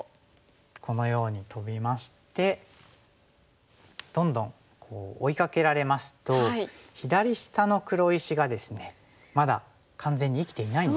このようにトビましてどんどん追いかけられますと左下の黒石がですねまだ完全に生きていないんですね。